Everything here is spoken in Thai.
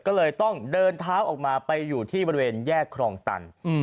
ก็เลยต้องเดินเท้าออกมาไปอยู่ที่บริเวณแยกครองตัน